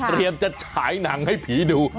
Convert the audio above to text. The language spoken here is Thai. เตรียมจะสะกายหนังให้ผีดู